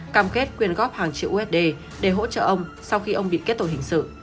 cam kết quyên góp hàng triệu usd để hỗ trợ ông sau khi ông bị kết tội hình sự